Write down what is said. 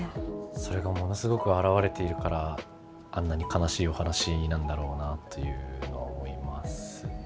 それがものすごく表れているからあんなに悲しいお話なんだろうなというのは思いますね。